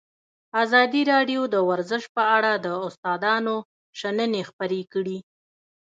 ازادي راډیو د ورزش په اړه د استادانو شننې خپرې کړي.